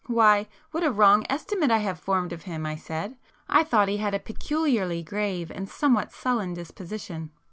"Why, what a wrong estimate I have formed of him!" I said—"I thought he had a peculiarly grave and somewhat sullen disposition."